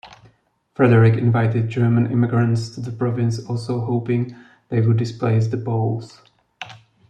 Frederick invited German immigrants to the province also hoping they would displace the Poles.